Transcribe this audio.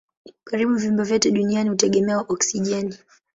Karibu viumbe vyote duniani hutegemea oksijeni.